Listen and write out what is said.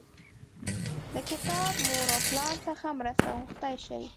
له کتاب، مور او پلار څخه مرسته غوښتی شئ.